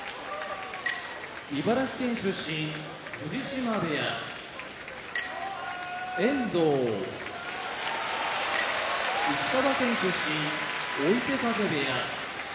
茨城県出身藤島部屋遠藤石川県出身追手風部屋